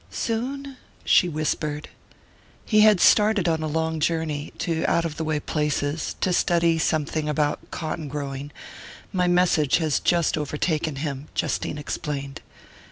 "Soon?" she whispered. "He had started on a long journey to out of the way places to study something about cotton growing my message has just overtaken him," Justine explained.